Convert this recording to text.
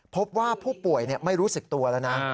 พบว่าผู้ป่วยไม่รู้สึกตัวแล้วนะ